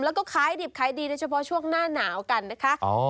แล้วก็ขายดิบขายดีโดยเฉพาะช่วงหน้าหนาวกันนะคะ